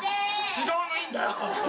違うのいいんだよ！